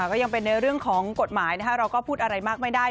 ก็ยังเป็นในเรื่องของกฎหมายนะคะเราก็พูดอะไรมากไม่ได้